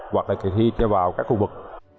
hoặc là kỳ thi cho vào các khu vực